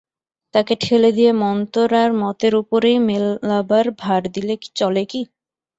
তাঁকে ঠেলে দিয়ে মন্তর আর মতের উপরেই মেলাবার ভার দিলে চলে কি?